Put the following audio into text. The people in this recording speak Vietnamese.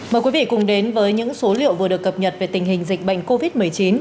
mời quý vị cùng đến với những số liệu vừa được cập nhật về tình hình dịch bệnh covid một mươi chín